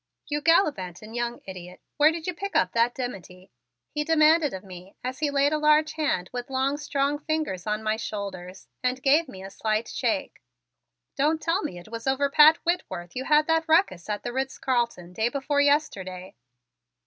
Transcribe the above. "You gallivanting young idiot, where did you pick up that dimity?" he demanded of me as he laid a large hand with long strong fingers on my shoulders and gave me a slight shake. "Don't tell me it was over Pat Whitworth you had that ruckus at the Ritz Carlton day before yesterday!"